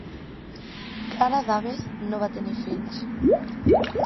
Clara Daves no va tenir fills.